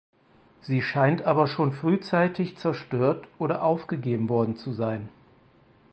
Sie scheint aber schon frühzeitig zerstört oder aufgegeben worden zu sein.